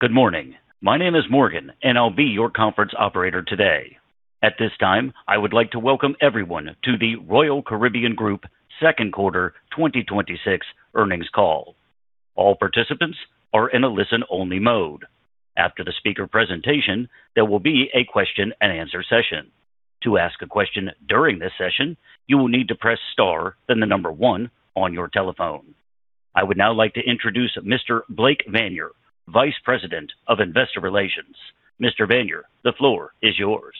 Good morning. My name is Morgan, and I will be your conference operator today. At this time, I would like to welcome everyone to the Royal Caribbean Group second quarter 2026 earnings call. All participants are in a listen-only mode. After the speaker presentation, there will be a question and answer session. To ask a question during this session, you will need to press star, then one on your telephone. I would now like to introduce Mr. Blake Vanier, Vice President of Investor Relations. Mr. Vanier, the floor is yours.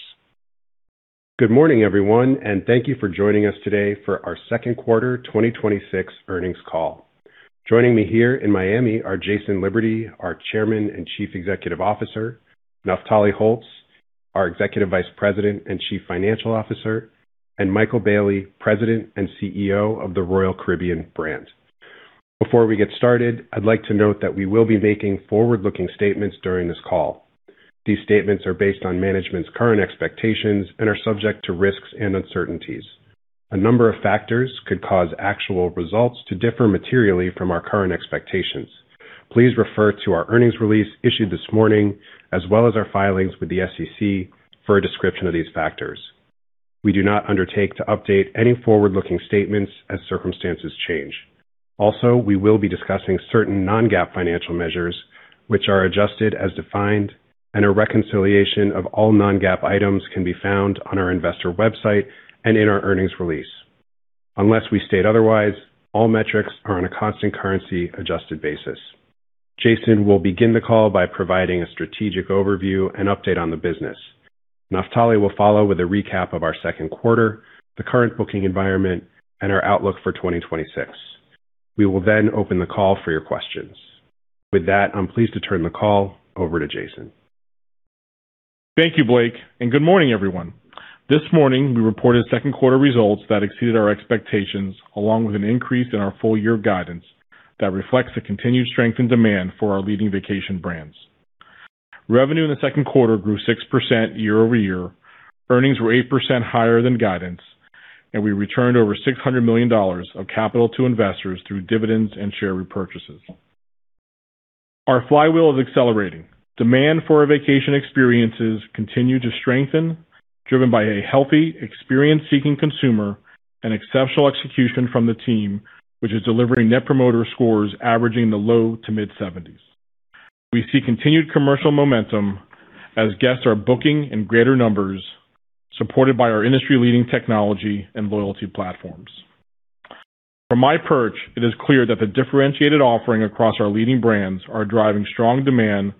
Good morning, everyone. Thank you for joining us today for our second quarter 2026 earnings call. Joining me here in Miami are Jason Liberty, our Chairman and Chief Executive Officer, Naftali Holtz, our Executive Vice President and Chief Financial Officer, and Michael Bayley, President and CEO of the Royal Caribbean Brand, Royal Caribbean International. Before we get started, I would like to note that we will be making forward-looking statements during this call. These statements are based on management's current expectations and are subject to risks and uncertainties. A number of factors could cause actual results to differ materially from our current expectations. Please refer to our earnings release issued this morning, as well as our filings with the SEC for a description of these factors. We do not undertake to update any forward-looking statements as circumstances change. We will be discussing certain non-GAAP financial measures which are adjusted as defined, and a reconciliation of all non-GAAP items can be found on our investor website and in our earnings release. Unless we state otherwise, all metrics are on a constant currency-adjusted basis. Jason will begin the call by providing a strategic overview and update on the business. Naftali will follow with a recap of our second quarter, the current booking environment, and our outlook for 2026. We will then open the call for your questions. With that, I am pleased to turn the call over to Jason. Thank you, Blake. Good morning, everyone. This morning, we reported second quarter results that exceeded our expectations, along with an increase in our full-year guidance that reflects the continued strength and demand for our leading vacation brands. Revenue in the second quarter grew 6% year-over-year, earnings were 8% higher than guidance, and we returned over $600 million of capital to investors through dividends and share repurchases. Our flywheel is accelerating. Demand for our vacation experiences continue to strengthen, driven by a healthy experience-seeking consumer and exceptional execution from the team, which is delivering net promoter scores averaging the low to mid-70s. We see continued commercial momentum as guests are booking in greater numbers, supported by our industry-leading technology and loyalty platforms. From my perch, it is clear that the differentiated offering across our leading brands are driving strong demand,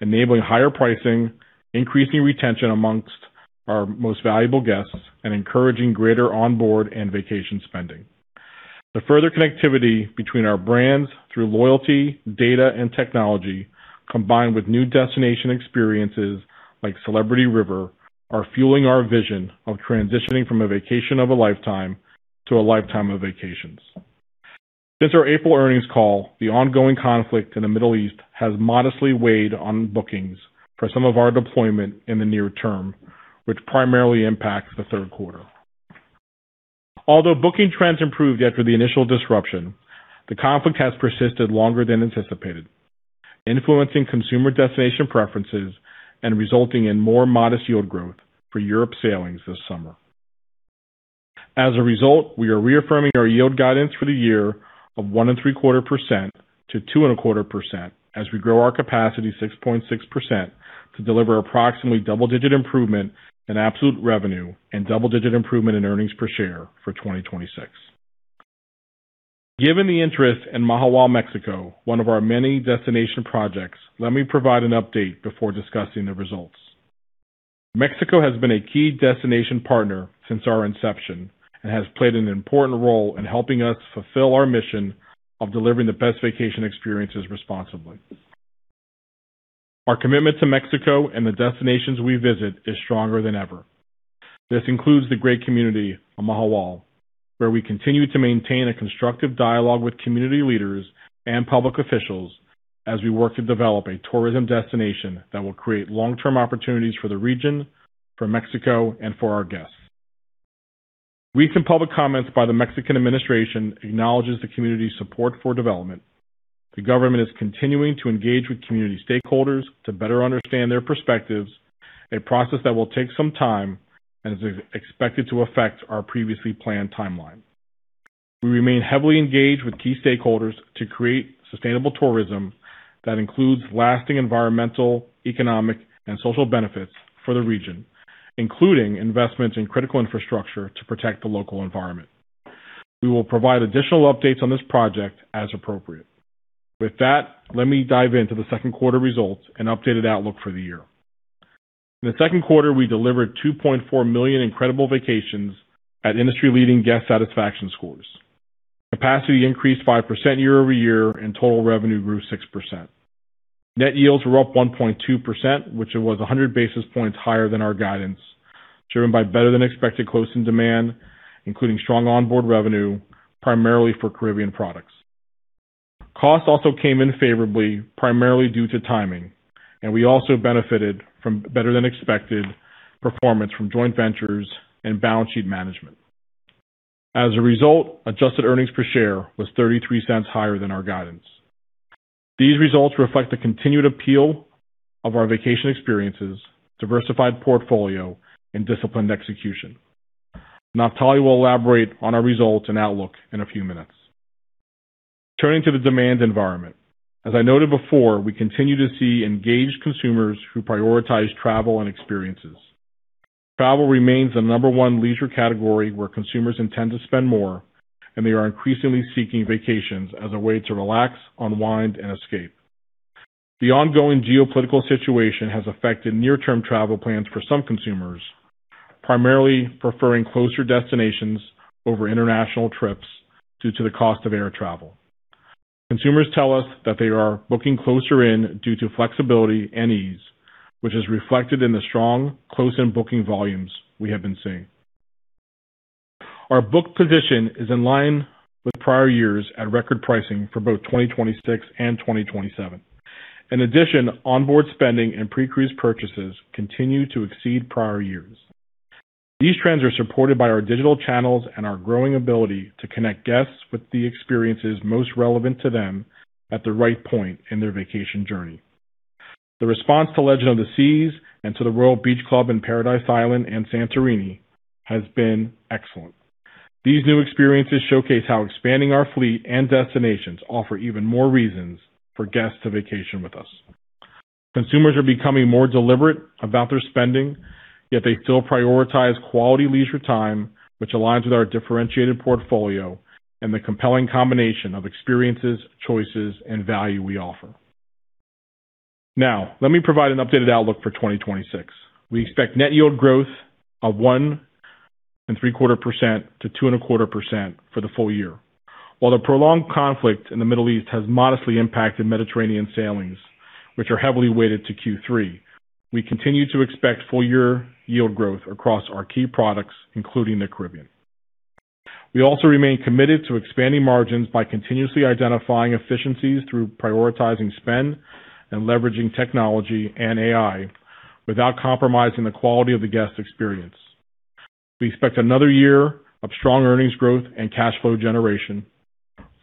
enabling higher pricing, increasing retention amongst our most valuable guests, and encouraging greater onboard and vacation spending. The further connectivity between our brands through loyalty, data, and technology, combined with new destination experiences like Celebrity River, are fueling our vision of transitioning from a vacation of a lifetime to a lifetime of vacations. Since our April earnings call, the ongoing conflict in the Middle East has modestly weighed on bookings for some of our deployment in the near term, which primarily impacts the third quarter. Although booking trends improved after the initial disruption, the conflict has persisted longer than anticipated, influencing consumer destination preferences and resulting in more modest yield growth for Europe sailings this summer. As a result, we are reaffirming our yield guidance for the year of 1.75%-2.25% as we grow our capacity 6.6% to deliver approximately double-digit improvement in absolute revenue and double-digit improvement in earnings per share for 2026. Given the interest in Mahahual, Mexico, one of our many destination projects, let me provide an update before discussing the results. Mexico has been a key destination partner since our inception and has played an important role in helping us fulfill our mission of delivering the best vacation experiences responsibly. Our commitment to Mexico and the destinations we visit is stronger than ever. This includes the great community of Mahahual, where we continue to maintain a constructive dialogue with community leaders and public officials as we work to develop a tourism destination that will create long-term opportunities for the region, for Mexico, and for our guests. Recent public comments by the Mexican administration acknowledges the community's support for development. The government is continuing to engage with community stakeholders to better understand their perspectives, a process that will take some time and is expected to affect our previously planned timeline. We remain heavily engaged with key stakeholders to create sustainable tourism that includes lasting environmental, economic, and social benefits for the region, including investments in critical infrastructure to protect the local environment. We will provide additional updates on this project as appropriate. With that, let me dive into the second quarter results and updated outlook for the year. In the second quarter, we delivered 2.4 million incredible vacations at industry-leading guest satisfaction scores. Capacity increased 5% year-over-year, and total revenue grew 6%. Net yields were up 1.2%, which was 100 basis points higher than our guidance, driven by better-than-expected close-in demand, including strong onboard revenue primarily for Caribbean products. Costs also came in favorably primarily due to timing, and we also benefited from better-than-expected performance from joint ventures and balance sheet management. As a result, adjusted earnings per share was $0.33 higher than our guidance. These results reflect the continued appeal of our vacation experiences, diversified portfolio, and disciplined execution. Now, Naftali will elaborate on our results and outlook in a few minutes. Turning to the demand environment. As I noted before, we continue to see engaged consumers who prioritize travel and experiences. Travel remains the number 1 leisure category where consumers intend to spend more, and they are increasingly seeking vacations as a way to relax, unwind, and escape. The ongoing geopolitical situation has affected near-term travel plans for some consumers, primarily preferring closer destinations over international trips due to the cost of air travel. Consumers tell us that they are booking closer in due to flexibility and ease, which is reflected in the strong close-in booking volumes we have been seeing. Our book position is in line with prior years at record pricing for both 2026 and 2027. In addition, onboard spending and pre-cruise purchases continue to exceed prior years. These trends are supported by our digital channels and our growing ability to connect guests with the experiences most relevant to them at the right point in their vacation journey. The response to Legend of the Seas and to the Royal Beach Club in Paradise Island and Santorini has been excellent. These new experiences showcase how expanding our fleet and destinations offer even more reasons for guests to vacation with us. Consumers are becoming more deliberate about their spending, yet they still prioritize quality leisure time, which aligns with our differentiated portfolio and the compelling combination of experiences, choices, and value we offer. Now, let me provide an updated outlook for 2026. We expect net yield growth of 1.75%-2.25% for the full-year. While the prolonged conflict in the Middle East has modestly impacted Mediterranean sailings, which are heavily weighted to Q3, we continue to expect full-year yield growth across our key products, including the Caribbean. We also remain committed to expanding margins by continuously identifying efficiencies through prioritizing spend and leveraging technology and AI without compromising the quality of the guest experience. We expect another year of strong earnings growth and cash flow generation.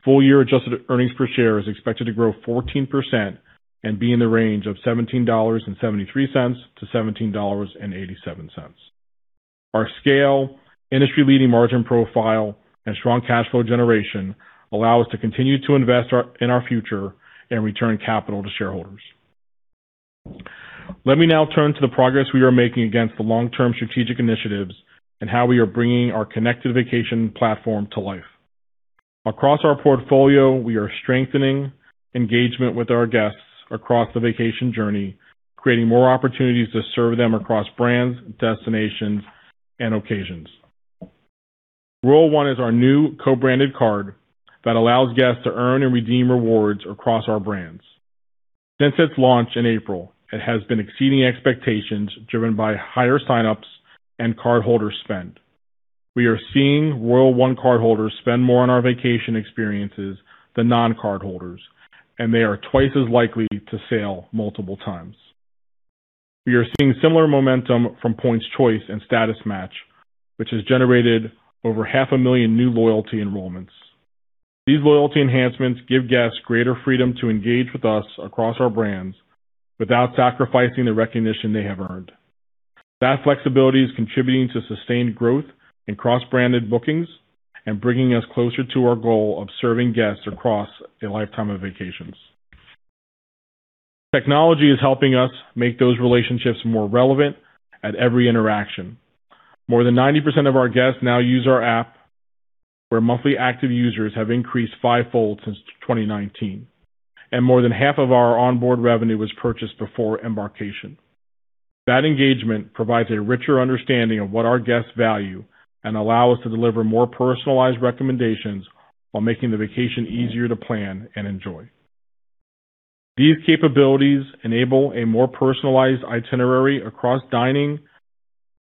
Full-year adjusted earnings per share is expected to grow 14% and be in the range of $17.73-$17.87. Our scale, industry-leading margin profile, and strong cash flow generation allow us to continue to invest in our future and return capital to shareholders. Let me now turn to the progress we are making against the long-term strategic initiatives and how we are bringing our connected vacation platform to life. Across our portfolio, we are strengthening engagement with our guests across the vacation journey, creating more opportunities to serve them across brands, destinations, and occasions. Royal ONE is our new co-branded card that allows guests to earn and redeem rewards across our brands. Since its launch in April, it has been exceeding expectations driven by higher sign-ups and cardholder spend. We are seeing Royal ONE cardholders spend more on our vacation experiences than non-cardholders, and they are twice as likely to sail multiple times. We are seeing similar momentum from Points Choice and Status Match, which has generated over half a million new loyalty enrollments. These loyalty enhancements give guests greater freedom to engage with us across our brands without sacrificing the recognition they have earned. That flexibility is contributing to sustained growth in cross-branded bookings and bringing us closer to our goal of serving guests across a lifetime of vacations. Technology is helping us make those relationships more relevant at every interaction. More than 90% of our guests now use our app, where monthly active users have increased fivefold since 2019, and more than half of our onboard revenue was purchased before embarkation. That engagement provides a richer understanding of what our guests value and allow us to deliver more personalized recommendations while making the vacation easier to plan and enjoy. These capabilities enable a more personalized itinerary across dining,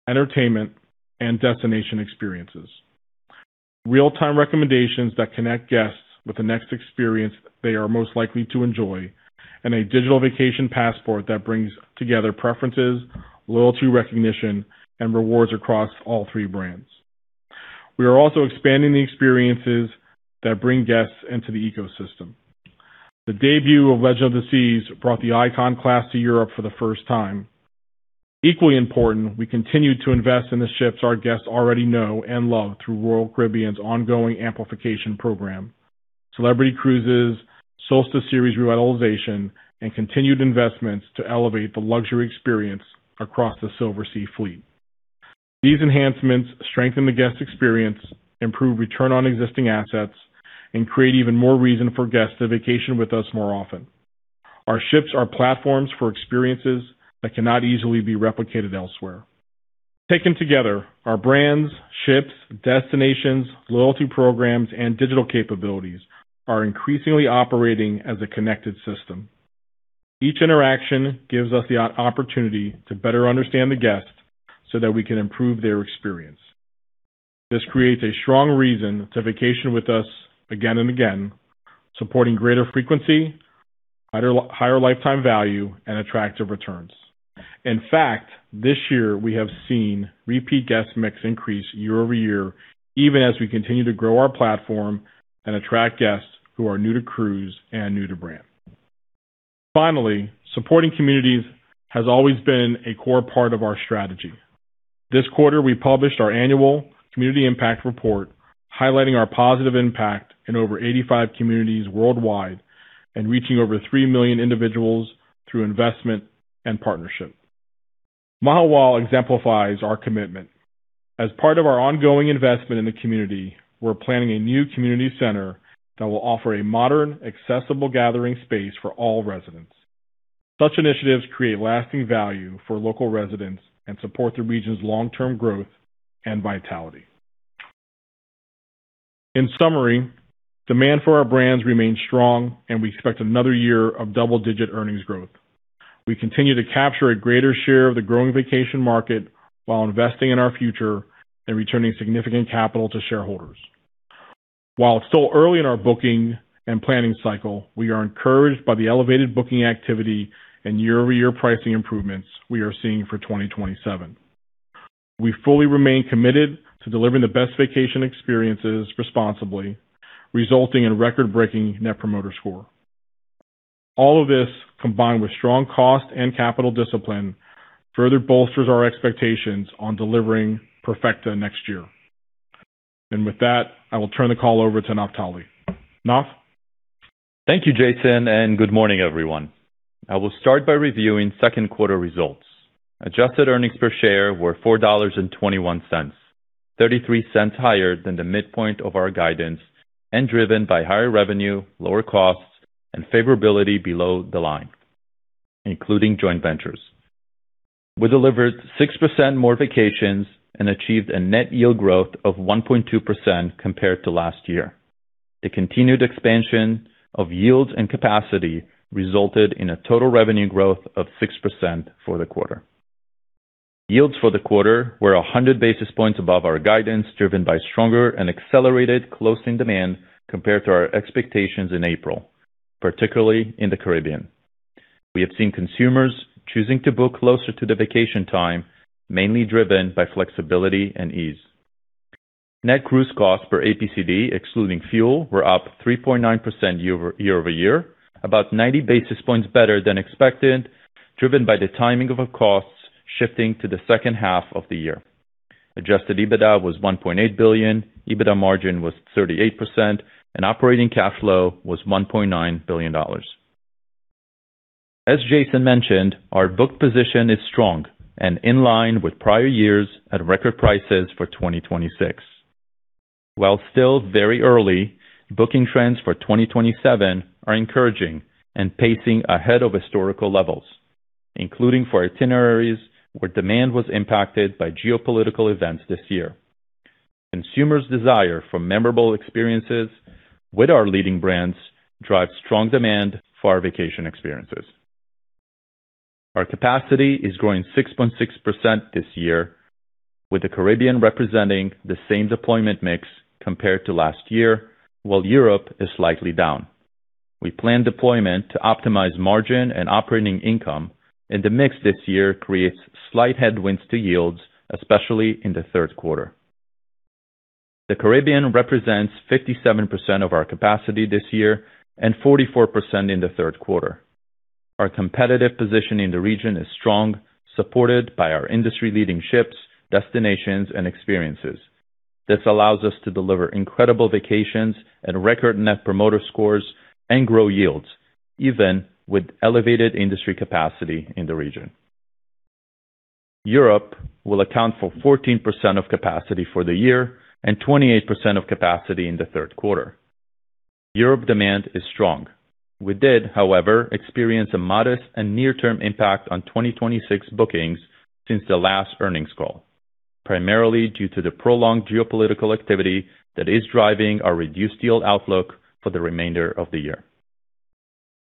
entertainment, and destination experiences. Real-time recommendations that connect guests with the next experience they are most likely to enjoy and a digital vacation passport that brings together preferences, loyalty recognition, and rewards across all three brands. We are also expanding the experiences that bring guests into the ecosystem. The debut of Legend of the Seas brought the Icon Class to Europe for the first time. Equally important, we continue to invest in the ships our guests already know and love through Royal Caribbean's ongoing amplification program, Celebrity Cruises' Solstice Series revitalization, and continued investments to elevate the luxury experience across the Silversea fleet. These enhancements strengthen the guest experience, improve return on existing assets, and create even more reason for guests to vacation with us more often. Our ships are platforms for experiences that cannot easily be replicated elsewhere. Taken together, our brands, ships, destinations, loyalty programs, and digital capabilities are increasingly operating as a connected system. Each interaction gives us the opportunity to better understand the guest so that we can improve their experience. This creates a strong reason to vacation with us again and again, supporting greater frequency, higher lifetime value, and attractive returns. In fact, this year we have seen repeat guest mix increase year-over-year, even as we continue to grow our platform and attract guests who are new to cruise and new to brand. Supporting communities has always been a core part of our strategy. This quarter, we published our annual Community Impact Report highlighting our positive impact in over 85 communities worldwide and reaching over three million individuals through investment and partnership. Mahahual exemplifies our commitment. As part of our ongoing investment in the community, we're planning a new community center that will offer a modern, accessible gathering space for all residents. Such initiatives create lasting value for local residents and support the region's long-term growth and vitality. Demand for our brands remains strong and we expect another year of double-digit earnings growth. We continue to capture a greater share of the growing vacation market while investing in our future and returning significant capital to shareholders. While it's still early in our booking and planning cycle, we are encouraged by the elevated booking activity and year-over-year pricing improvements we are seeing for 2027. We fully remain committed to delivering the best vacation experiences responsibly, resulting in record-breaking net promoter score. All of this, combined with strong cost and capital discipline, further bolsters our expectations on delivering Perfecta next year. With that, I will turn the call over to Naftali. Naf? Thank you, Jason, and good morning, everyone. I will start by reviewing second quarter results. Adjusted earnings per share were $4.21, $0.33 higher than the midpoint of our guidance and driven by higher revenue, lower costs, and favorability below the line, including joint ventures. We delivered 6% more vacations and achieved a net yield growth of 1.2% compared to last year. The continued expansion of yields and capacity resulted in a total revenue growth of 6% for the quarter. Yields for the quarter were 100 basis points above our guidance, driven by stronger and accelerated closing demand compared to our expectations in April, particularly in the Caribbean. We have seen consumers choosing to book closer to the vacation time, mainly driven by flexibility and ease. Net cruise costs per APCD, excluding fuel, were up 3.9% year-over-year, about 90 basis points better than expected, driven by the timing of costs shifting to the second half of the year. Adjusted EBITDA was $1.8 billion, EBITDA margin was 38%, and operating cash flow was $1.9 billion. As Jason mentioned, our book position is strong and in line with prior years at record prices for 2026. While still very early, booking trends for 2027 are encouraging and pacing ahead of historical levels, including for itineraries where demand was impacted by geopolitical events this year. Consumers' desire for memorable experiences with our leading brands drive strong demand for our vacation experiences. Our capacity is growing 6.6% this year, with the Caribbean representing the same deployment mix compared to last year. Europe is slightly down. We plan deployment to optimize margin and operating income, the mix this year creates slight headwinds to yields, especially in the third quarter. The Caribbean represents 57% of our capacity this year and 44% in the third quarter. Our competitive position in the region is strong, supported by our industry-leading ships, destinations, and experiences. This allows us to deliver incredible vacations at record net promoter scores and grow yields, even with elevated industry capacity in the region. Europe will account for 14% of capacity for the year and 28% of capacity in the third quarter. Europe demand is strong. We did, however, experience a modest and near-term impact on 2026 bookings since the last earnings call, primarily due to the prolonged geopolitical activity that is driving our reduced yield outlook for the remainder of the year.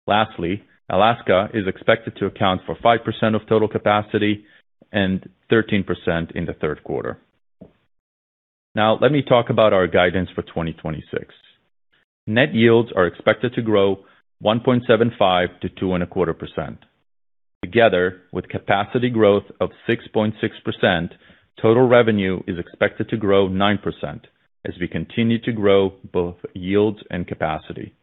Lastly, Alaska is expected to account for 5% of total capacity and 13% in the third quarter. Now let me talk about our guidance for 2026. Net yields are expected to grow 1.75%-2.25%. Together with capacity growth of 6.6%, total revenue is expected to grow 9% as we continue to grow both yields and capacity.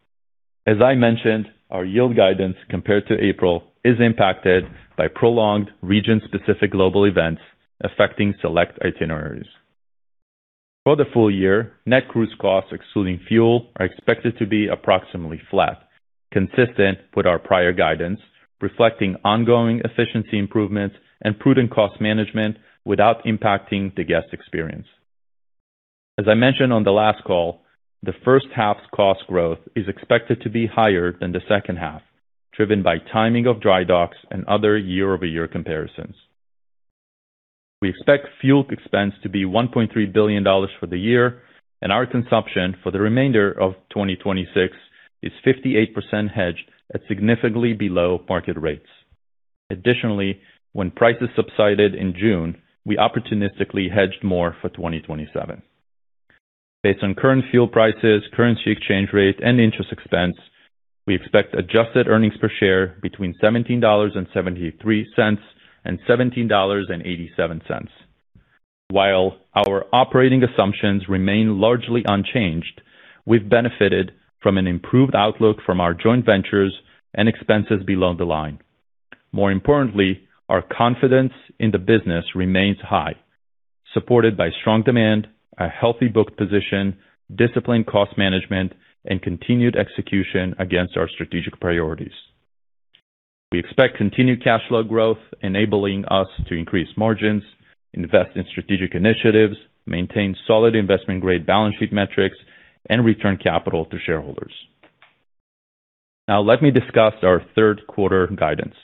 As I mentioned, our yield guidance compared to April is impacted by prolonged region-specific global events affecting select itineraries. For the full year, net cruise costs excluding fuel, are expected to be approximately flat, consistent with our prior guidance, reflecting ongoing efficiency improvements and prudent cost management without impacting the guest experience. As I mentioned on the last call, the first half's cost growth is expected to be higher than the second half, driven by timing of dry docks and other year-over-year comparisons. We expect fuel expense to be $1.3 billion for the year, our consumption for the remainder of 2026 is 58% hedged at significantly below market rates. Additionally, when prices subsided in June, we opportunistically hedged more for 2027. Based on current fuel prices, currency exchange rate, and interest expense, we expect adjusted earnings per share between $17.73 and $17.87. While our operating assumptions remain largely unchanged, we've benefited from an improved outlook from our joint ventures and expenses below the line. More importantly, our confidence in the business remains high, supported by strong demand, a healthy book position, disciplined cost management, and continued execution against our strategic priorities. We expect continued cash flow growth, enabling us to increase margins, invest in strategic initiatives, maintain solid investment-grade balance sheet metrics, and return capital to shareholders. Now, let me discuss our third quarter guidance.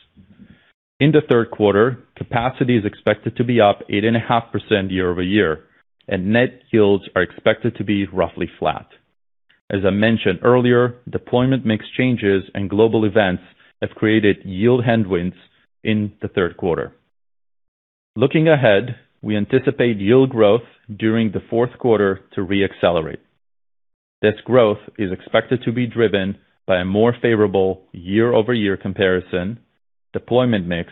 In the third quarter, capacity is expected to be up 8.5% year-over-year, net yields are expected to be roughly flat. As I mentioned earlier, deployment mix changes and global events have created yield headwinds in the third quarter. Looking ahead, we anticipate yield growth during the fourth quarter to re-accelerate. This growth is expected to be driven by a more favorable year-over-year comparison, deployment mix,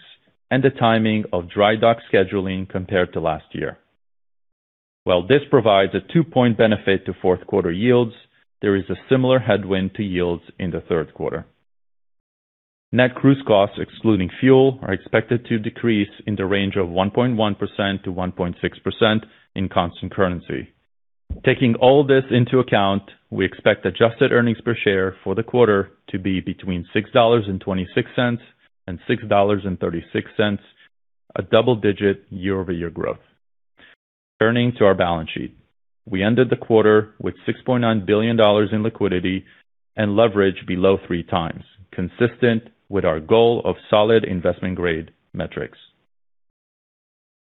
and the timing of dry dock scheduling compared to last year. While this provides a two-point benefit to fourth quarter yields, there is a similar headwind to yields in the third quarter. Net cruise costs, excluding fuel, are expected to decrease in the range of 1.1%-1.6% in constant currency. Taking all this into account, we expect adjusted earnings per share for the quarter to be between $6.26 and $6.36, a double-digit year-over-year growth. Turning to our balance sheet. We ended the quarter with $6.9 billion in liquidity and leverage below three times, consistent with our goal of solid investment-grade metrics.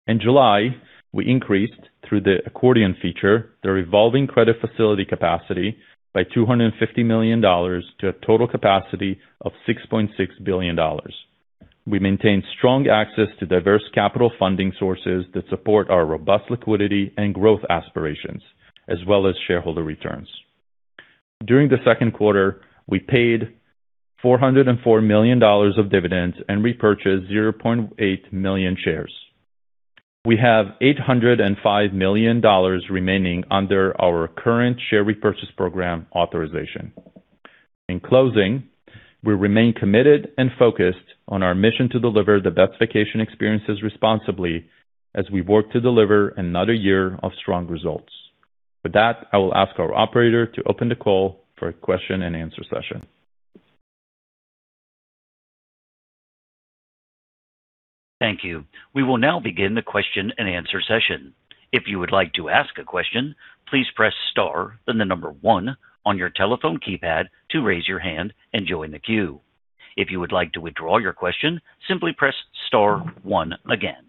In July, we increased, through the accordion feature, the revolving credit facility capacity by $250 million to a total capacity of $6.6 billion. We maintained strong access to diverse capital funding sources that support our robust liquidity and growth aspirations, as well as shareholder returns. During the second quarter, we paid $404 million of dividends and repurchased 0.8 million shares. We have $805 million remaining under our current share repurchase program authorization. In closing, we remain committed and focused on our mission to deliver the best vacation experiences responsibly as we work to deliver another year of strong results. With that, I will ask our operator to open the call for a question-and-answer session. Thank you. We will now begin the question-and-answer session. If you would like to ask a question, please press star, then the number one on your telephone keypad to raise your hand and join the queue. If you would like to withdraw your question, simply press star one again.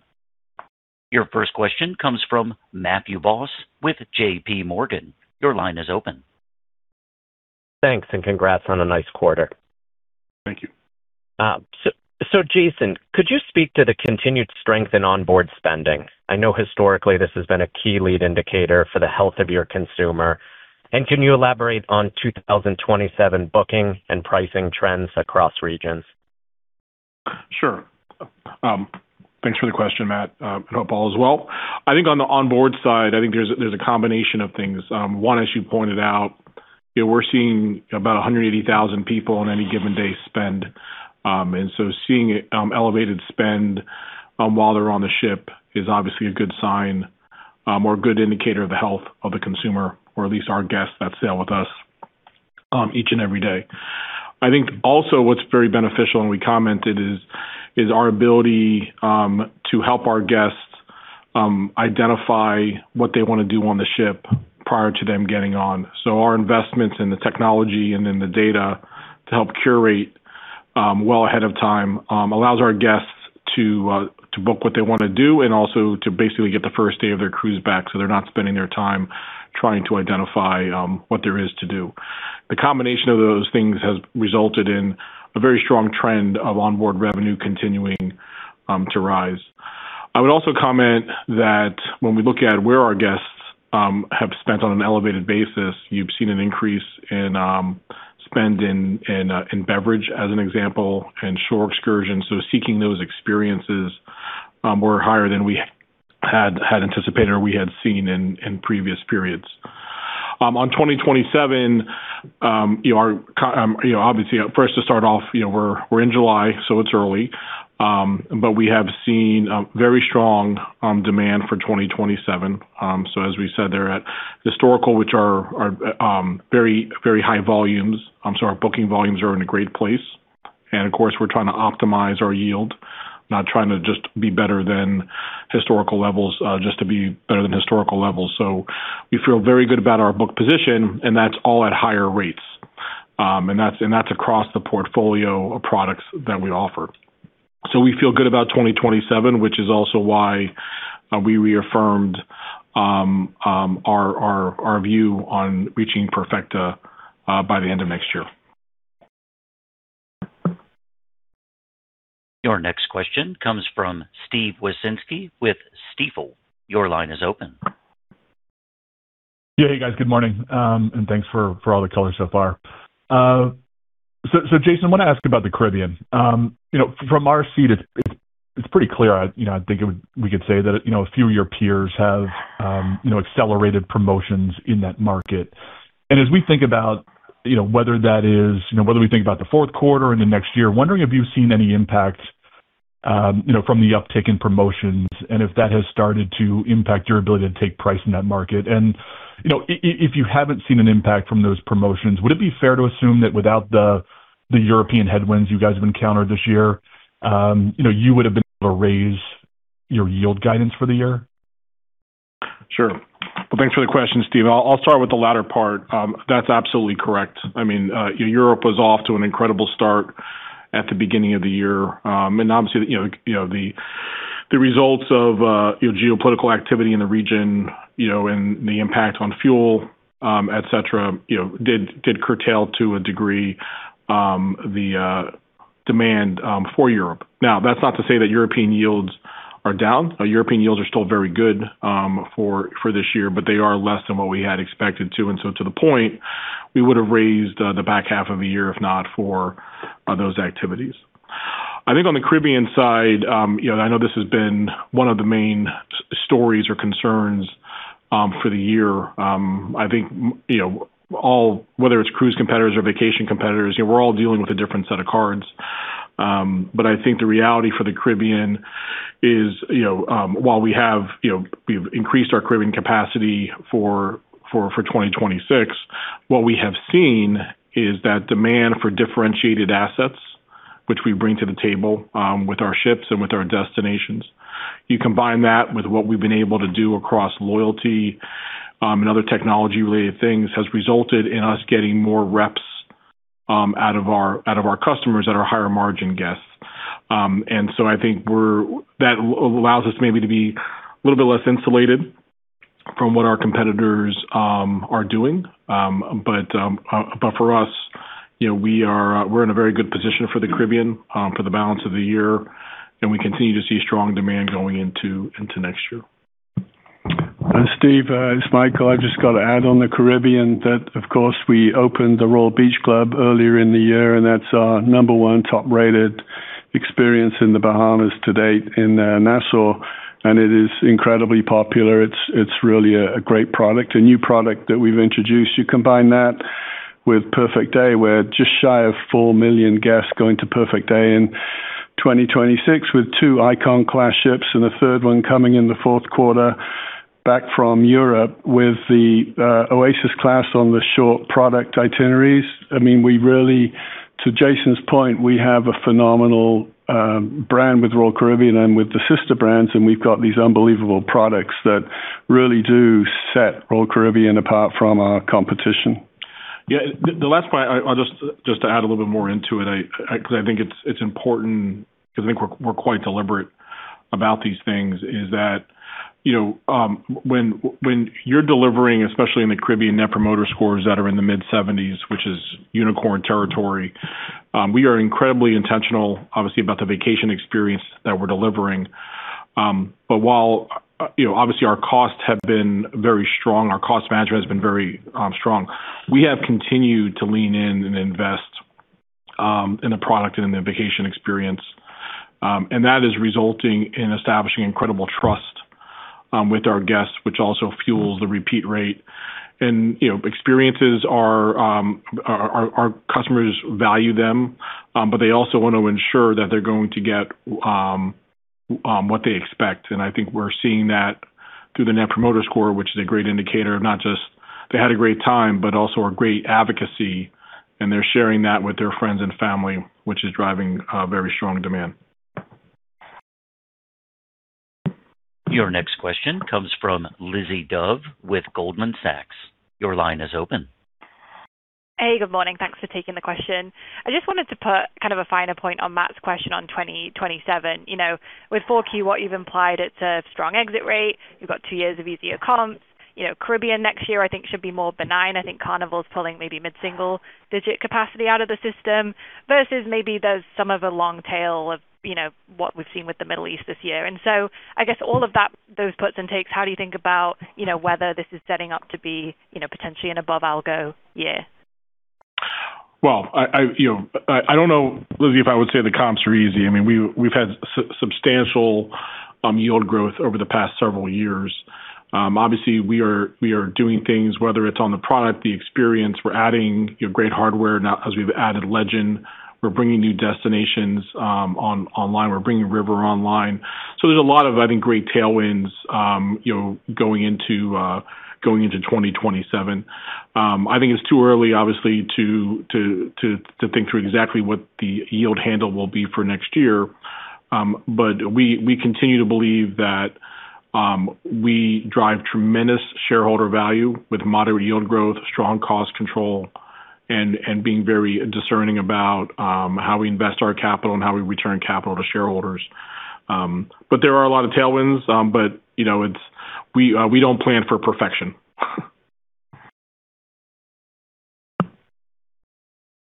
Your first question comes from Matthew Boss with JPMorgan. Your line is open. Thanks, congrats on a nice quarter. Thank you. Jason, could you speak to the continued strength in onboard spending? I know historically this has been a key lead indicator for the health of your consumer. Can you elaborate on 2027 booking and pricing trends across regions? Sure. Thanks for the question, Matt and [Paul as well]. I think on the onboard side, I think there's a combination of things. One, as you pointed out, we're seeing about 180,000 people on any given day spend. Seeing elevated spend while they're on the ship is obviously a good sign or a good indicator of the health of the consumer, or at least our guests that sail with us each and every day. I think also what's very beneficial, and we commented, is our ability to help our guests identify what they want to do on the ship prior to them getting on. Our investments in the technology and in the data to help curate well ahead of time allows our guests to book what they want to do and also to basically get the first day of their cruise back so they're not spending their time trying to identify what there is to do. The combination of those things has resulted in a very strong trend of onboard revenue continuing to rise. I would also comment that when we look at where our guests have spent on an elevated basis, you've seen an increase in spend in beverage, as an example, and shore excursions. Seeking those experiences were higher than we had anticipated or we had seen in previous periods. On 2027, obviously first to start off, we're in July, so it's early. We have seen very strong demand for 2027. As we said there at historical, which are very high volumes. Our booking volumes are in a great place. Of course, we're trying to optimize our yield, not trying to just be better than historical levels, just to be better than historical levels. We feel very good about our book position, and that's all at higher rates. That's across the portfolio of products that we offer. We feel good about 2027, which is also why we reaffirmed our view on reaching Perfecta by the end of next year. Your next question comes from Steve Wieczynski with Stifel. Your line is open. Yeah. Hey, guys. Good morning, and thanks for all the color so far. Jason, I want to ask about the Caribbean. From our seat, it's pretty clear. I think we could say that a few of your peers have accelerated promotions in that market. As we think about whether we think about the fourth quarter and the next year, wondering have you seen any impact from the uptick in promotions and if that has started to impact your ability to take price in that market? If you haven't seen an impact from those promotions, would it be fair to assume that without the European headwinds you guys have encountered this year, you would've been able to raise your yield guidance for the year? Sure. Well, thanks for the question, Steve. I'll start with the latter part. That's absolutely correct. Europe was off to an incredible start at the beginning of the year. Obviously, the results of geopolitical activity in the region and the impact on fuel, et cetera, did curtail to a degree, the demand for Europe. That's not to say that European yields are down. European yields are still very good for this year, but they are less than what we had expected to. To the point, we would've raised the back half of the year, if not for those activities. I think on the Caribbean side, I know this has been one of the main stories or concerns for the year. I think, whether it's cruise competitors or vacation competitors, we're all dealing with a different set of cards. I think the reality for the Caribbean is, while we've increased our Caribbean capacity for 2026, what we have seen is that demand for differentiated assets, which we bring to the table with our ships and with our destinations. You combine that with what we've been able to do across loyalty and other technology-related things, has resulted in us getting more reps out of our customers that are higher margin guests. I think that allows us maybe to be a little bit less insulated from what our competitors are doing. For us, we're in a very good position for the Caribbean for the balance of the year, and we continue to see strong demand going into next year. Steve, it's Michael. I've just got to add on the Caribbean that, of course, we opened the Royal Beach Club earlier in the year, and that's our number one top-rated experience in the Bahamas to date in Nassau, and it is incredibly popular. It's really a great product, a new product that we've introduced. You combine that with Perfect Day. We're just shy of four million guests going to Perfect Day in 2026 with two Icon-class ships and a third one coming in the fourth quarter back from Europe with the Oasis Class on the short product itineraries. To Jason's point, we have a phenomenal brand with Royal Caribbean and with the sister brands, and we've got these unbelievable products that really do set Royal Caribbean apart from our competition. Yeah. The last part, just to add a little bit more into it, because I think it's important because I think we're quite deliberate about these things, is that when you're delivering, especially in the Caribbean, net promoter scores that are in the mid-70s, which is unicorn territory, we are incredibly intentional, obviously, about the vacation experience that we're delivering. While obviously our costs have been very strong, our cost management has been very strong, we have continued to lean in and invest in the product and in the vacation experience. That is resulting in establishing incredible trust with our guests, which also fuels the repeat rate. Experiences, our customers value them, but they also want to ensure that they're going to get what they expect. I think we're seeing that through the Net Promoter Score, which is a great indicator of not just they had a great time, but also a great advocacy, and they're sharing that with their friends and family, which is driving a very strong demand. Your next question comes from Lizzie Dove with Goldman Sachs. Your line is open. Hey, good morning. Thanks for taking the question. I just wanted to put kind of a finer point on Matt's question on 2027. With 4Q, what you've implied, it's a strong exit rate. You've got two years of easier comps. Caribbean next year, I think should be more benign. I think Carnival's pulling maybe mid-single digit capacity out of the system, versus maybe there's some of a long tail of what we've seen with the Middle East this year. I guess all of those puts and takes, how do you think about whether this is setting up to be potentially an above algo year? I don't know, Lizzie, if I would say the comps are easy. We've had substantial yield growth over the past several years. Obviously, we are doing things, whether it's on the product, the experience. We're adding great hardware now as we've added Legend. We're bringing new destinations online. We're bringing River online. There's a lot of, I think, great tailwinds going into 2027. I think it's too early, obviously, to think through exactly what the yield handle will be for next year. We continue to believe that we drive tremendous shareholder value with moderate yield growth, strong cost control, and being very discerning about how we invest our capital and how we return capital to shareholders. There are a lot of tailwinds, but we don't plan for perfection.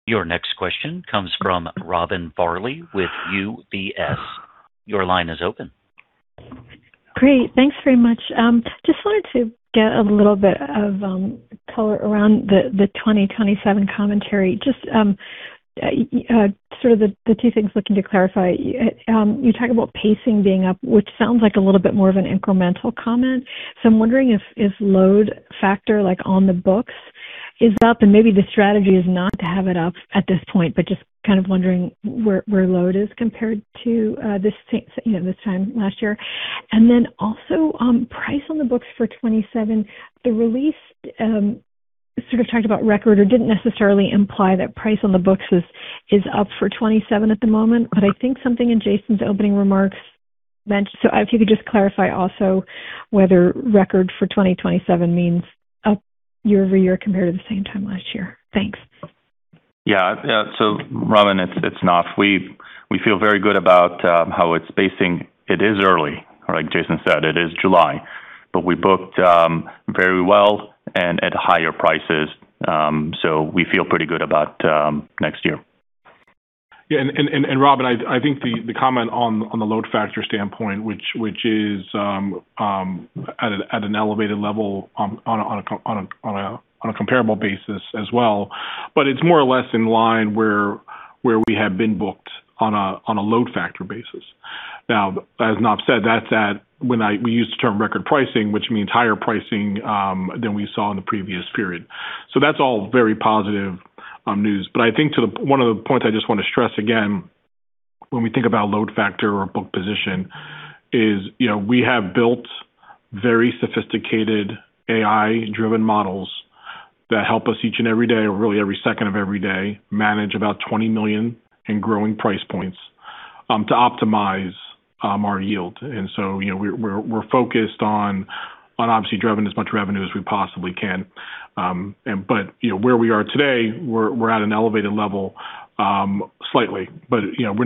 Your next question comes from Robin Farley with UBS. Your line is open. Great. Thanks very much. Just wanted to get a little bit of color around the 2027 commentary. Just the two things looking to clarify. You talk about pacing being up, which sounds like a little bit more of an incremental comment. I'm wondering if load factor on the books is up and maybe the strategy is not to have it up at this point, but just kind of wondering where load is compared to this time last year. Also, price on the books for 2027. The release sort of talked about record or didn't necessarily imply that price on the books is up for 2027 at the moment. I think something in Jason's opening remarks mentioned, so if you could just clarify also whether record for 2027 means up year-over-year compared to the same time last year. Thanks. Yeah. Robin, it's Naf. We feel very good about how it's pacing. It is early, like Jason said, it is July. We booked very well and at higher prices. We feel pretty good about next year. Yeah. Robin, I think the comment on the load factor standpoint, which is at an elevated level on a comparable basis as well, but it's more or less in line where we have been booked on a load factor basis. Now, as Naf said, that's at when we use the term record pricing, which means higher pricing than we saw in the previous period. That's all very positive news. I think one of the points I just want to stress again, when we think about load factor or book position is, we have built very sophisticated AI-driven models that help us each and every day, really every second of every day, manage about 20 million and growing price points to optimize our yield. We're focused on obviously driving as much revenue as we possibly can. Where we are today, we're at an elevated level, slightly. We're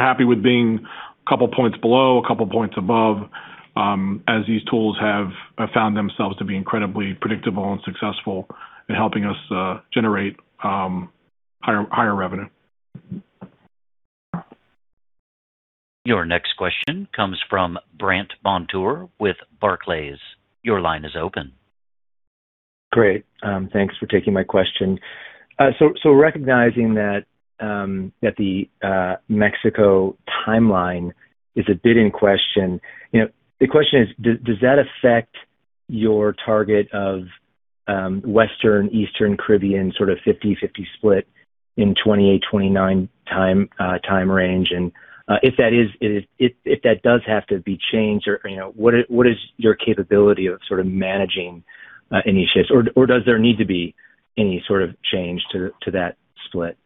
happy with being a couple of points below, a couple of points above, as these tools have found themselves to be incredibly predictable and successful in helping us generate higher revenue. Your next question comes from Brandt Montour with Barclays. Your line is open. Great. Thanks for taking my question. Recognizing that the Mexico timeline is a bit in question. The question is, does that affect your target of Western, Eastern Caribbean sort of 50/50 split in 2028, 2029 time range? If that does have to be changed or what is your capability of sort of managing any shifts? Does there need to be any sort of change to that split?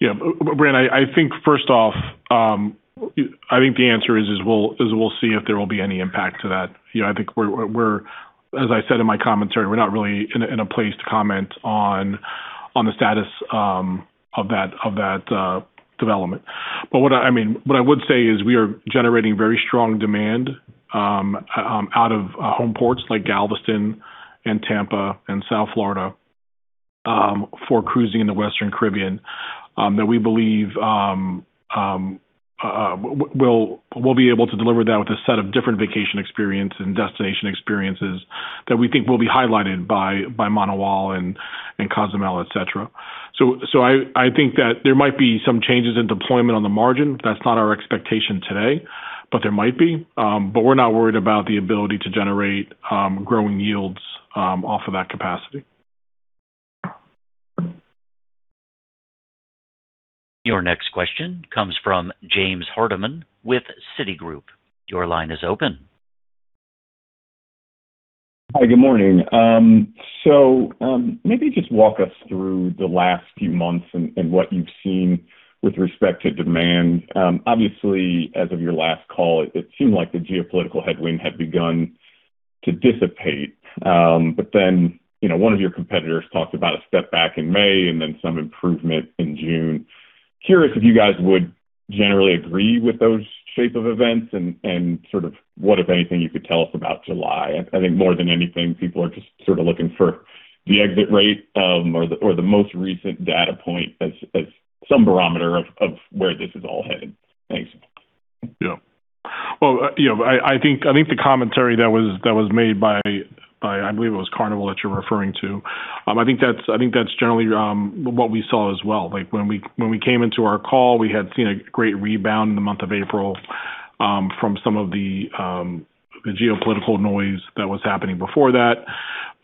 Yeah. Brandt, I think first off, I think the answer is we'll see if there will be any impact to that. I think as I said in my commentary, we're not really in a place to comment on the status of that development. What I would say is we are generating very strong demand out of home ports like Galveston and Tampa and South Florida for cruising in the Western Caribbean, that we believe we'll be able to deliver that with a set of different vacation experience and destination experiences that we think will be highlighted by Mahahual and Cozumel, et cetera. I think that there might be some changes in deployment on the margin. That's not our expectation today, but there might be. We're not worried about the ability to generate growing yields off of that capacity. Your next question comes from James Hardiman with Citigroup. Your line is open. Hi, good morning. Maybe just walk us through the last few months and what you've seen with respect to demand. Obviously, as of your last call, it seemed like the geopolitical headwind had begun to dissipate. One of your competitors talked about a step back in May and some improvement in June. Curious if you guys would generally agree with those shape of events and what, if anything, you could tell us about July. I think more than anything, people are just looking for the exit rate or the most recent data point as some barometer of where this is all headed. Thanks. I think the commentary that was made by, I believe it was Carnival that you're referring to. I think that's generally what we saw as well. When we came into our call, we had seen a great rebound in the month of April from some of the geopolitical noise that was happening before that.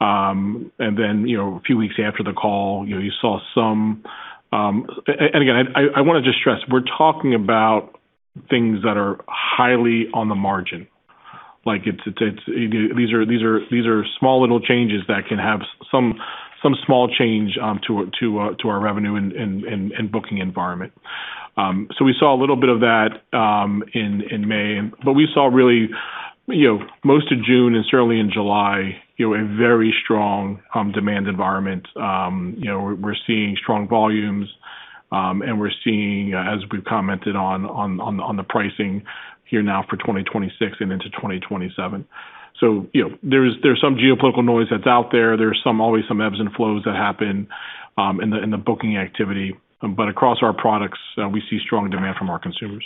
A few weeks after the call, you saw. I want to just stress, we're talking about things that are highly on the margin. These are small little changes that can have some small change to our revenue and booking environment. We saw a little bit of that in May. We saw really, most of June and certainly in July, a very strong demand environment. We're seeing strong volumes. We're seeing, as we've commented on the pricing here now for 2026 and into 2027. There's some geopolitical noise that's out there. There's always some ebbs and flows that happen in the booking activity. Across our products, we see strong demand from our consumers.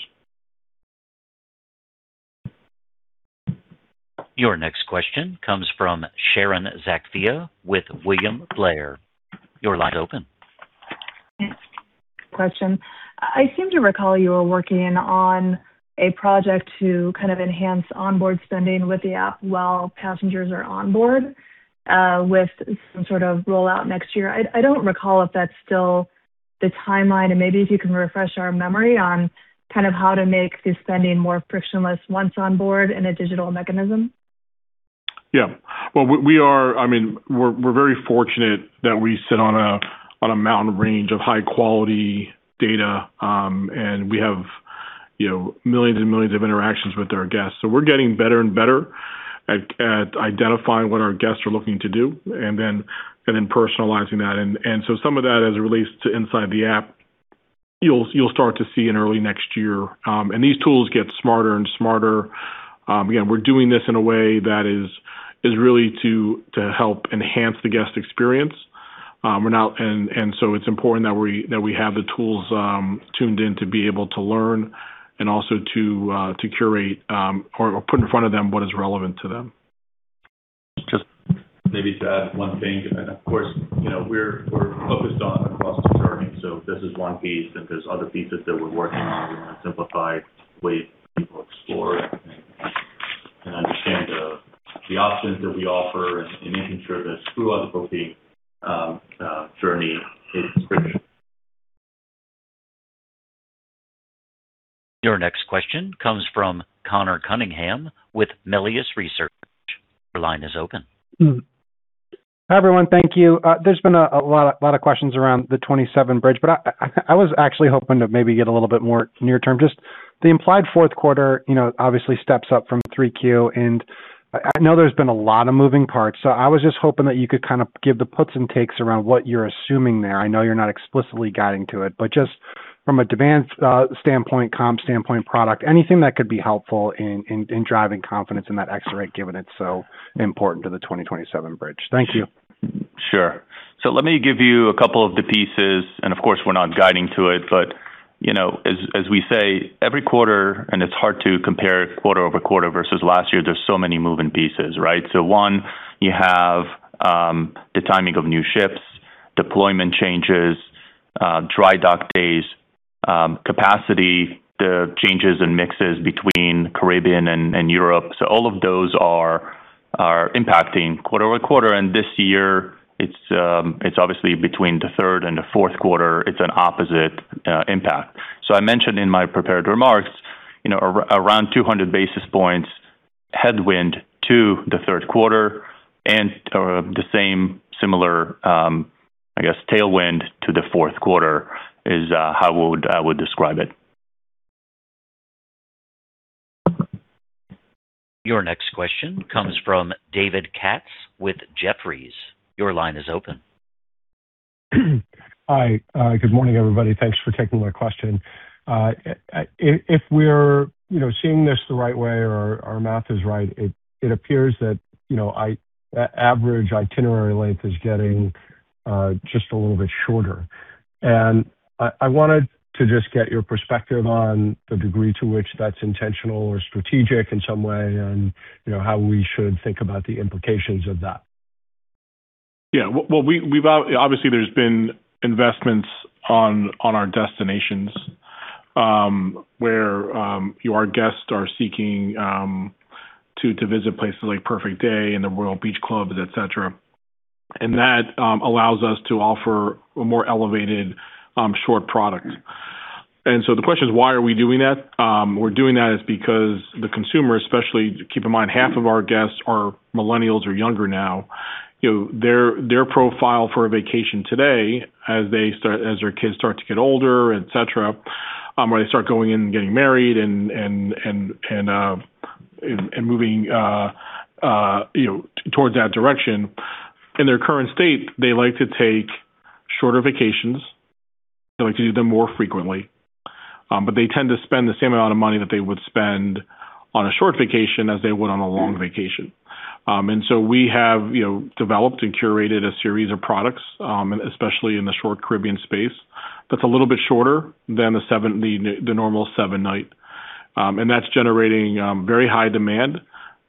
Your next question comes from Sharon Zackfia with William Blair. Your line is open. Thanks. Question. I seem to recall you were working on a project to kind of enhance onboard spending with the app while passengers are on board, with some sort of rollout next year. I don't recall if that's still the timeline, and maybe if you can refresh our memory on kind of how to make the spending more frictionless once on board in a digital mechanism. Yeah. We're very fortunate that we sit on a mountain range of high-quality data, and we have millions and millions of interactions with our guests. We're getting better and better at identifying what our guests are looking to do and then personalizing that. Some of that, as it relates to inside the app, you'll start to see in early next year. These tools get smarter and smarter. Again, we're doing this in a way that is really to help enhance the guest experience. It's important that we have the tools tuned in to be able to learn and also to curate, or put in front of them what is relevant to them. Just maybe to add one thing. Of course, we're focused on across the journey. This is one piece, and there's other pieces that we're working on. We want to simplify ways people explore and understand the options that we offer and making sure this throughout the booking journey is frictionless. Your next question comes from Conor Cunningham with Melius Research. Your line is open. Hi, everyone. Thank you. There's been a lot of questions around the 2027 bridge, I was actually hoping to maybe get a little bit more near term. Just the implied fourth quarter obviously steps up from Q3. I know there's been a lot of moving parts, I was just hoping that you could kind of give the puts and takes around what you're assuming there. I know you're not explicitly guiding to it, just from a demand standpoint, comp standpoint, product, anything that could be helpful in driving confidence in that exit rate, given it's so important to the 2027 bridge. Thank you. Sure. Let me give you a couple of the pieces, of course, we're not guiding to it, as we say, every quarter, it's hard to compare quarter-over-quarter versus last year, there's so many moving pieces, right? One, you have the timing of new ships, deployment changes, dry dock days, capacity, the changes in mixes between Caribbean and Europe. All of those are impacting quarter-over-quarter. This year it's obviously between the third and the fourth quarter, it's an opposite impact. I mentioned in my prepared remarks around 200 basis points headwind to the third quarter and the same similar, I guess, tailwind to the fourth quarter is how I would describe it. Your next question comes from David Katz with Jefferies. Your line is open. Hi. Good morning, everybody. Thanks for taking my question. If we're seeing this the right way or our math is right, it appears that average itinerary length is getting just a little bit shorter. I wanted to just get your perspective on the degree to which that's intentional or strategic in some way and how we should think about the implications of that. Yeah. Obviously, there's been investments on our destinations, where our guests are seeking to visit places like Perfect Day and the Royal Beach Clubs, et cetera. That allows us to offer a more elevated short product. The question is, why are we doing that? We're doing that is because the consumer, especially keep in mind, half of our guests are millennials or younger now. Their profile for a vacation today as their kids start to get older, et cetera, or they start going in and getting married and moving towards that direction. In their current state, they like to take shorter vacations. They like to do them more frequently. They tend to spend the same amount of money that they would spend on a short vacation as they would on a long vacation. We have developed and curated a series of products, especially in the short Caribbean space, that's a little bit shorter than the normal seven-night. That's generating very high demand.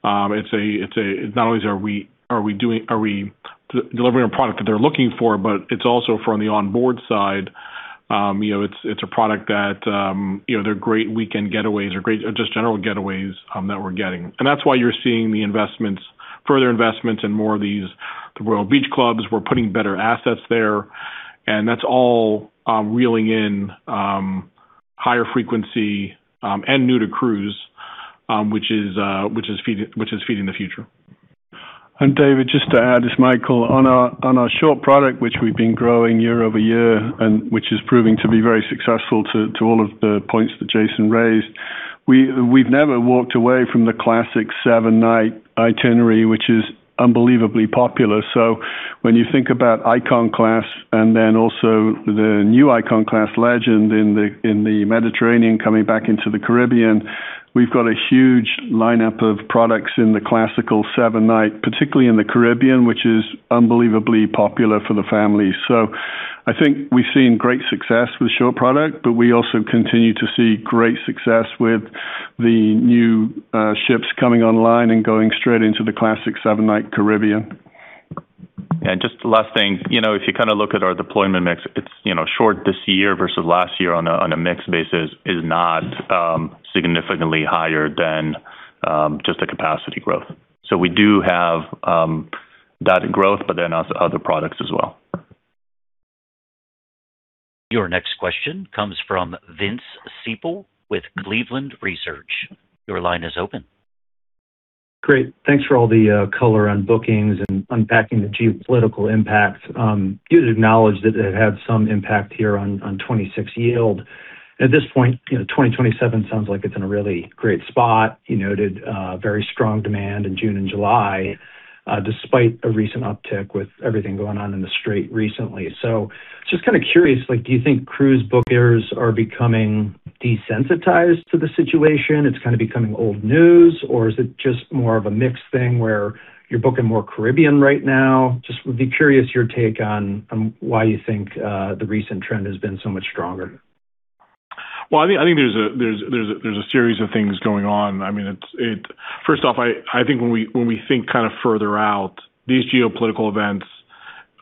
Not only are we delivering a product that they're looking for, but it's also from the onboard side, it's a product that, they're great weekend getaways or just general getaways that we're getting. That's why you're seeing the further investments in more of these, the Royal Beach Clubs. We're putting better assets there, and that's all reeling in higher frequency, and new to cruise, which is feeding the future. David, just to add, it's Michael. On our short product, which we've been growing year-over-year and which is proving to be very successful to all of the points that Jason raised We've never walked away from the classic seven-night itinerary, which is unbelievably popular. When you think about Icon Class and then also the new Icon Class Legend in the Mediterranean coming back into the Caribbean, we've got a huge lineup of products in the classical seven-night, particularly in the Caribbean, which is unbelievably popular for the families. I think we've seen great success with short product, we also continue to see great success with the new ships coming online and going straight into the classic seven-night Caribbean. Just last thing. If you look at our deployment mix, it's short this year versus last year on a mixed basis is not significantly higher than just the capacity growth. We do have that growth, also other products as well.' Your next question comes from Vince Ciepiel with Cleveland Research. Your line is open. Great. Thanks for all the color on bookings and unpacking the geopolitical impact. You acknowledged that it had some impact here on 2026 yield. At this point, 2027 sounds like it's in a really great spot. You noted very strong demand in June and July, despite a recent uptick with everything going on in the Strait recently. Just curious, do you think cruise bookers are becoming desensitized to the situation? It's becoming old news? Is it just more of a mixed thing where you're booking more Caribbean right now? Just would be curious your take on why you think the recent trend has been so much stronger. Well, I think there's a series of things going on. First off, I think when we think further out, these geopolitical events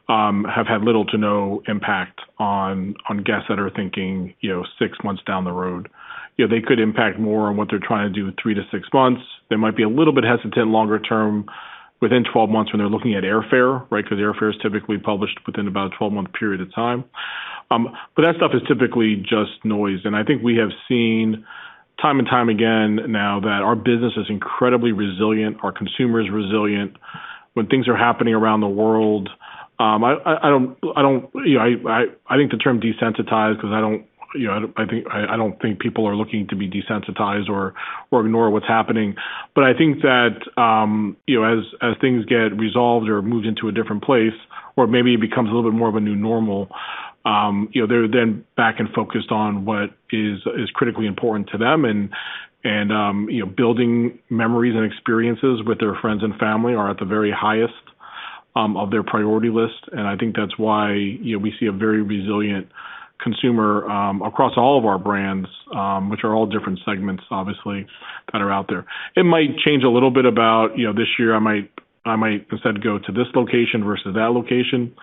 have had little to no impact on guests that are thinking six months down the road. They could impact more on what they're trying to do in three to six months. They might be a little bit hesitant longer term within 12 months when they're looking at airfare, right? Because airfare is typically published within about a 12-month period of time. That stuff is typically just noise. I think we have seen time and time again now that our business is incredibly resilient, our consumer is resilient when things are happening around the world. I think the term desensitized because I don't think people are looking to be desensitized or ignore what's happening. I think that as things get resolved or moved into a different place, or maybe it becomes a little bit more of a new normal, they're then back and focused on what is critically important to them and building memories and experiences with their friends and family are at the very highest of their priority list. I think that's why we see a very resilient consumer across all of our brands, which are all different segments, obviously, that are out there. It might change a little bit about this year. I might instead go to this location versus that location.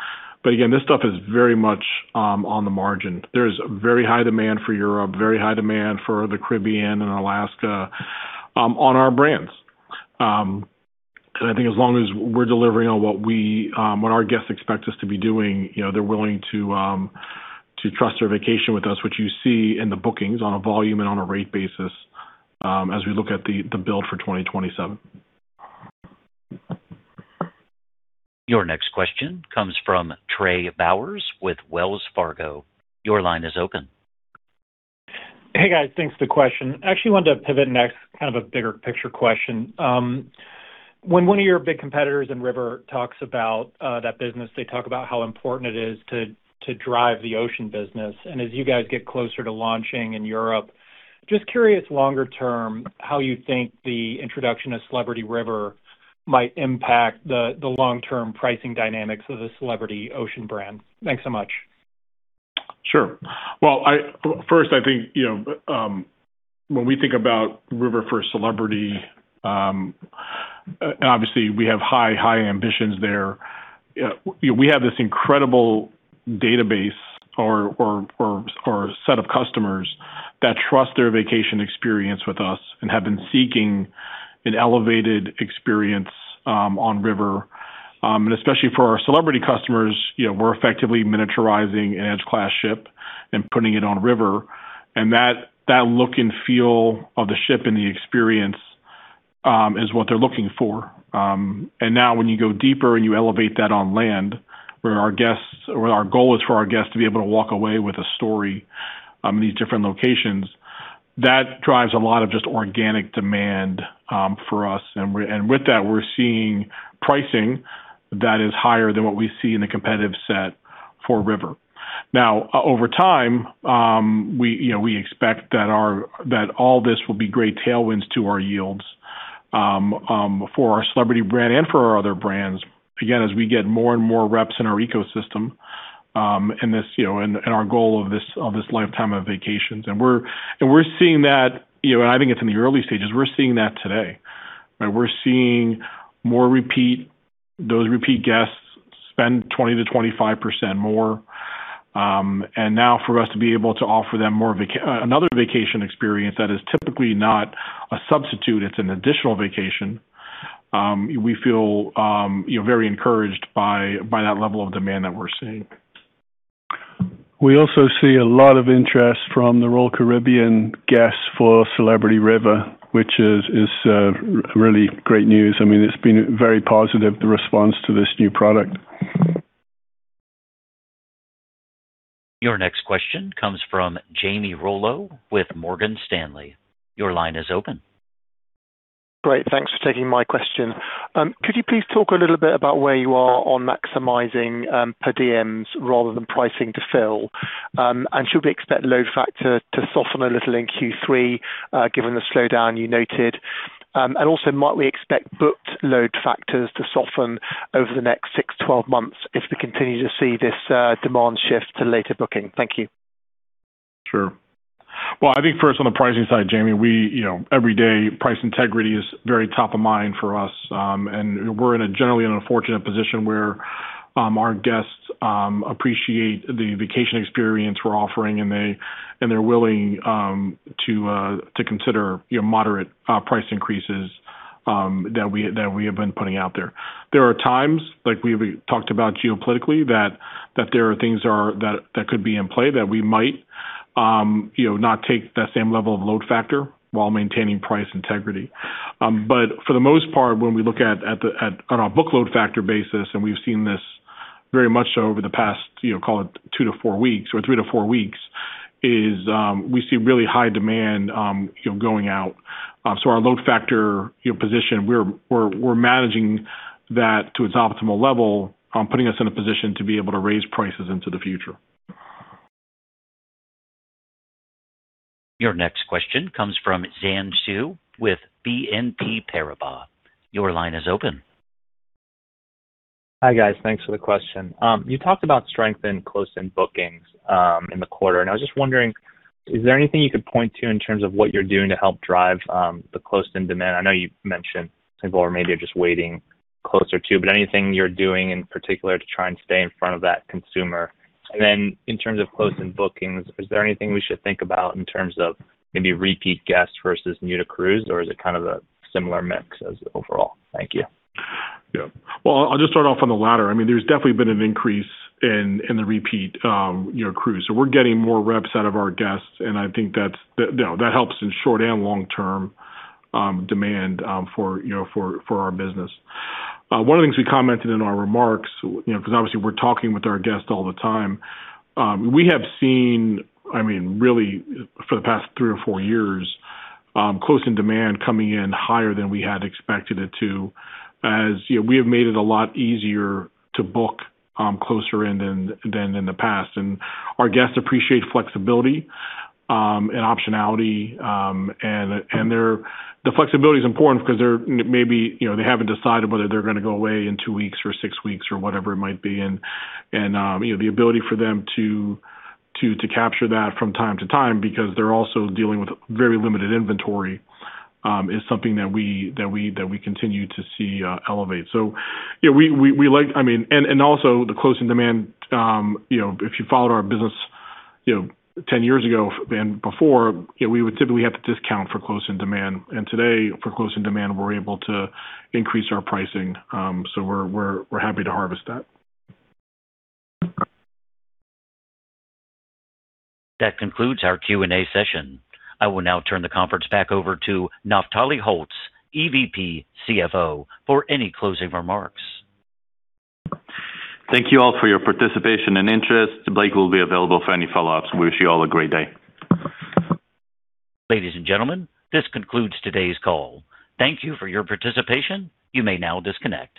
Again, this stuff is very much on the margin. There's very high demand for Europe, very high demand for the Caribbean and Alaska on our brands. I think as long as we're delivering on what our guests expect us to be doing, they're willing to trust their vacation with us, which you see in the bookings on a volume and on a rate basis as we look at the build for 2027. Your next question comes from Trey Bowers with Wells Fargo. Your line is open. Hey, guys. Thanks for the question. I actually wanted to pivot next, kind of a bigger picture question. When one of your big competitors in River talks about that business, they talk about how important it is to drive the ocean business. As you guys get closer to launching in Europe, just curious longer term, how you think the introduction of Celebrity River might impact the long-term pricing dynamics of the Celebrity ocean brand. Thanks so much. Sure. Well, first I think when we think about River for Celebrity, obviously we have high ambitions there. We have this incredible database or set of customers that trust their vacation experience with us and have been seeking an elevated experience on River. Especially for our Celebrity customers, we're effectively miniaturizing an Edge Class ship and putting it on River. That look and feel of the ship and the experience is what they're looking for. Now when you go deeper and you elevate that on land, where our goal is for our guests to be able to walk away with a story in these different locations, that drives a lot of just organic demand for us. With that, we're seeing pricing that is higher than what we see in the competitive set for River. Over time, we expect that all this will be great tailwinds to our yields for our Celebrity brand and for our other brands, again, as we get more and more reps in our ecosystem, our goal of this lifetime of vacations. We're seeing that, I think it's in the early stages, we're seeing that today. We're seeing more repeat. Those repeat guests spend 20%-25% more. Now for us to be able to offer them another vacation experience that is typically not a substitute, it's an additional vacation, we feel very encouraged by that level of demand that we're seeing. We also see a lot of interest from the Royal Caribbean guests for Celebrity River, which is really great news. It's been very positive, the response to this new product. Your next question comes from Jamie Rollo with Morgan Stanley. Your line is open. Great. Thanks for taking my question. Could you please talk a little bit about where you are on maximizing per diems rather than pricing to fill? Should we expect load factor to soften a little in Q3 given the slowdown you noted? Also, might we expect booked load factors to soften over the next six to 12 months if we continue to see this demand shift to later booking? Thank you. Sure. Well, I think first on the pricing side, Jamie, every day price integrity is very top of mind for us. We're in a generally in a fortunate position where our guests appreciate the vacation experience we're offering, and they're willing to consider moderate price increases that we have been putting out there. There are times, like we've talked about geopolitically, that there are things that could be in play that we might not take that same level of load factor while maintaining price integrity. For the most part, when we look at our book load factor basis, and we've seen this very much so over the past call it two to four weeks or three to four weeks, is we see really high demand going out. Our load factor position, we're managing that to its optimal level, putting us in a position to be able to raise prices into the future. Your next question comes from Xian Siew with BNP Paribas. Your line is open. Hi, guys. Thanks for the question. You talked about strength in close-in bookings in the quarter. I was just wondering, is there anything you could point to in terms of what you're doing to help drive the close-in demand? I know you've mentioned people are maybe just waiting closer to, anything you're doing in particular to try and stay in front of that consumer? Then in terms of close-in bookings, is there anything we should think about in terms of maybe repeat guests versus new to cruise, or is it kind of a similar mix as overall? Thank you. Yeah. Well, I'll just start off on the latter. There's definitely been an increase in the repeat cruise. We're getting more reps out of our guests, and I think that helps in short and long-term demand for our business. One of the things we commented in our remarks, because obviously we're talking with our guests all the time. We have seen, really for the past three or four years, close-in demand coming in higher than we had expected it to, as we have made it a lot easier to book closer in than in the past. Our guests appreciate flexibility and optionality. The flexibility is important because maybe they haven't decided whether they're going to go away in two weeks or six weeks or whatever it might be. The ability for them to capture that from time to time because they're also dealing with very limited inventory, is something that we continue to see elevate. Also the close-in demand, if you followed our business 10 years ago and before, we would typically have to discount for close-in demand. Today for close-in demand, we're able to increase our pricing. We're happy to harvest that. That concludes our Q&A session. I will now turn the conference back over to Naftali Holtz, EVP, CFO, for any closing remarks. Thank you all for your participation and interest. Blake will be available for any follow-ups. We wish you all a great day. Ladies and gentlemen, this concludes today's call. Thank you for your participation. You may now disconnect.